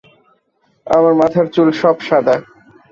আমার মাথার চুল সব সাদা।